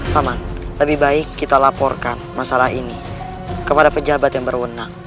paman lebih baik kita laporkan masalah ini kepada pejabat yang berwenang